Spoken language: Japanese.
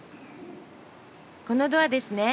このドアですね？